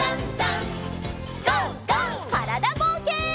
からだぼうけん。